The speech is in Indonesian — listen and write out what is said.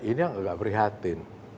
ini yang agak beri hati